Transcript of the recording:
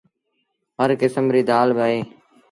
هر ڪسم ريٚ دآل با اهي۔